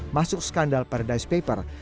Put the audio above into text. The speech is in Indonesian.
masuk skandal paradise papers